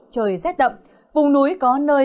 trời rét đậm vùng núi có nơi